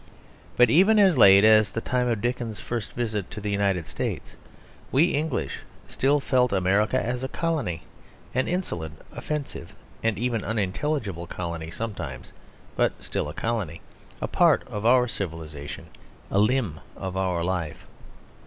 But even as late as the time of Dickens's first visit to the United States, we English still felt America as a colony; an insolent, offensive, and even unintelligible colony sometimes, but still a colony; a part of our civilisation, a limb of our life.